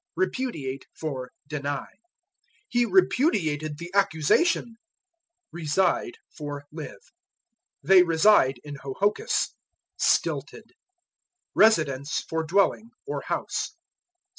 Repudiate for Deny. "He repudiated the accusation." Reside for Live. "They reside in Hohokus." Stilted. Residence for Dwelling, or _House.